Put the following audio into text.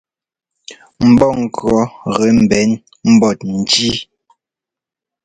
Mbɔ́ŋkʉ̈ɔ gɛ mbɛn mbɔt njí.